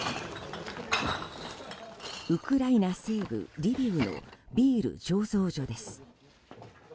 ウクライナ西部リビウのビール醸造所です。